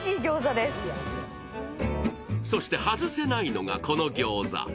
そして外せないのが、この餃子。